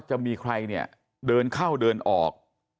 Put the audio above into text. จะมีใครเนี่ยเดินเข้าเดินออก